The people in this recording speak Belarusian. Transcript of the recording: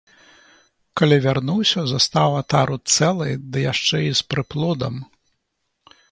Калі вярнуўся, застаў атару цэлай, ды яшчэ і з прыплодам.